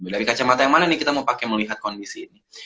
dari kacamata yang mana nih kita mau pakai melihat kondisi ini